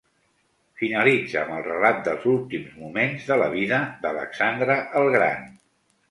Finalitza amb el relat dels últims moments de la vida d'Alexandre el Gran.